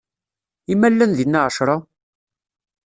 i ma llan dinna ɛecṛa?